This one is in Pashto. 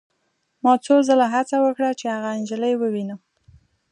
ما څو ځله هڅه وکړه چې هغه نجلۍ ووینم